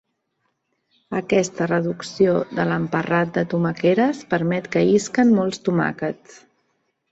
Aquesta reducció de l'emparrat de tomaqueres permet que isquen molts tomàquets.